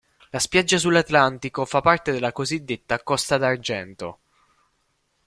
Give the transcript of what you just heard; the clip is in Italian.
La spiaggia sull'Atlantico fa parte della cosiddetta Costa d'Argento.